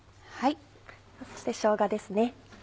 そしてしょうがですね